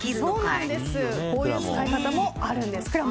こういう使い方もあるんです。